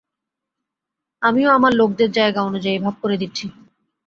আমিও আমার লোকদের জায়গা অনুযায়ী ভাগ করে দিচ্ছি।